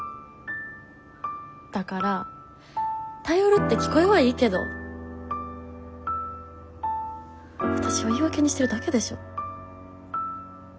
だから頼るって聞こえはいいけどわたしを言い訳にしてるだけでしょ？